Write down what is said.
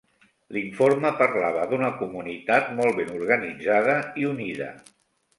L'informe parlava d'una comunitat molt ben organitzada i unida.